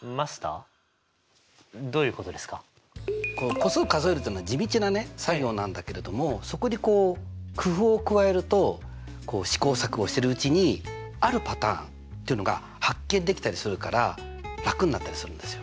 個数数えるというのは地道な作業なんだけれどもそこに工夫を加えると試行錯誤してるうちにあるパターンというのが発見できたりするから楽になったりするんですよ。